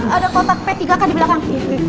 ada kotak p tiga k di belakang